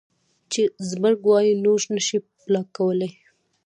چې زبرګ وائي نور نشې بلاک کولے